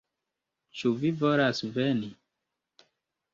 Ĉu vi volas veni?